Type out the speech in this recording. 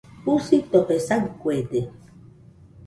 Jusitofe saɨkuede.